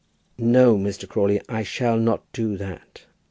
"No, Mr. Crawley; I shall not do that.